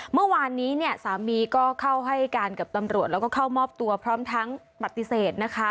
เมื่อวานนี้เนี่ยสามีก็เข้าให้การกับตำรวจแล้วก็เข้ามอบตัวพร้อมทั้งปฏิเสธนะคะ